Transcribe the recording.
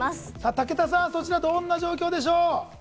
武田さん、そちらどんな状況でしょう？